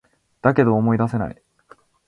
だけど、思い出せない